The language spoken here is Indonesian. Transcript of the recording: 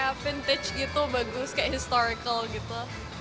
kayak vintage gitu bagus kayak historical gitu